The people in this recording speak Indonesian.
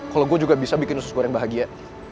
kalau gue juga bisa bikin usus goreng bahagia